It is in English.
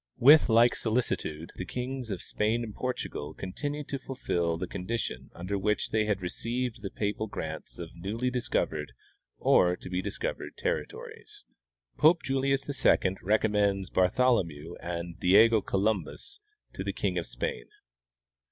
With like solicitude the kings of Spain and Portugal continued to fulfill the condition under which they had received the papal grants of newly discovered, or to be discovered, territories." Pope Julius II Recommends Bartholomew and Diego Columbus to the King of Spain.